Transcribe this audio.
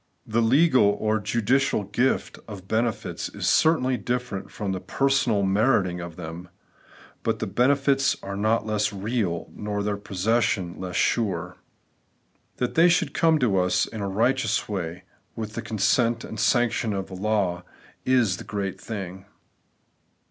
The legal or judicial gift of benefits is certainly different from the personal meriting of them ; but the benefits are not less real, nor their possession less sure. That they should come to us in a righteous way, with the consent and sanction of law, is the great thing.